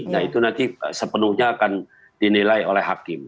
nah itu nanti sepenuhnya akan dinilai oleh hakim